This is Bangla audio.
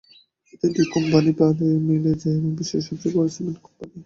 এতে দুই কোম্পানি মিলে হয়ে যায় বিশ্বের সবচেয়ে বড় সিমেন্ট কোম্পানি।